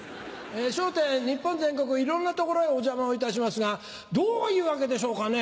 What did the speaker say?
『笑点』日本全国いろんな所へお邪魔をいたしますがどういうわけでしょうかね。